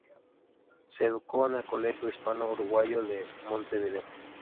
Se educó en el Colegio Hispano Uruguayo de Montevideo.